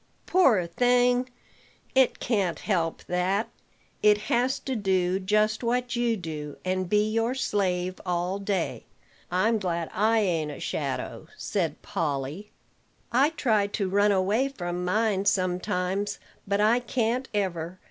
"Poor thing, it can't help that: it has to do just what you do, and be your slave all day. I'm glad I ain't a shadow," said Polly. "I try to run away from mine sometimes, but I can't ever.